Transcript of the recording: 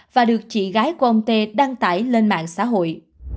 và được chị gái của ông tê đăng tải lên mạng xã hội